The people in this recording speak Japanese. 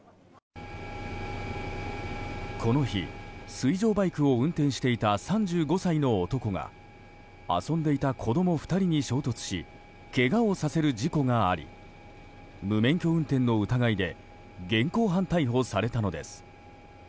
その日、水上バイクを運転していた３５歳の男が遊んでいた子供２人に衝突しけがをさせる事故があり無免許運転の疑いで現行犯逮捕されたのです。